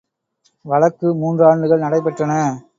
வழக்கு மூன்று ஆண்டுகள் நடைபெற்றன.